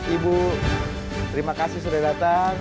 ibu terima kasih sudah datang